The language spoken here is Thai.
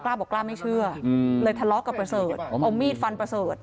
บอกกล้าไม่เชื่อเลยทะเลาะกับประเสริฐเอามีดฟันประเสริฐ